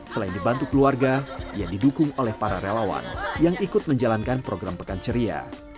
selain dibantu keluarga ia didukung oleh para relawan yang ikut menjalankan program pekan ceria